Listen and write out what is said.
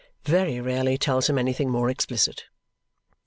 Very rarely tells him anything more explicit.